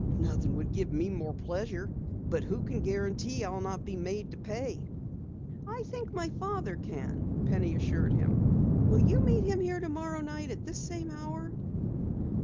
"Nothing would give me more pleasure. But who can guarantee I'll not be made to pay?" "I think my father can," Penny assured him. "Will you meet him here tomorrow night at this same hour?"